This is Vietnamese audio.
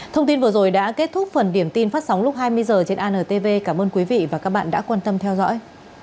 thông tin vừa rồi đã kết thúc phần điểm tin phát sóng lúc hai mươi h trên antv cảm ơn quý vị và các bạn đã quan tâm theo dõi